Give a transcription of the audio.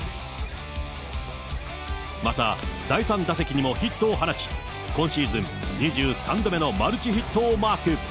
また、第３打席にもヒットを放ち、今シーズン、２３度目のマルチヒットをマーク。